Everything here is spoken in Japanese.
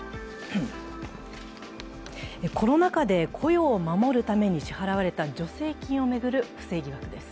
コロナ禍で雇用を守るために支払われた助成金を巡る不正疑惑です。